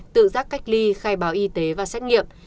tự giác cách ly khai báo y tế và xét nghiệm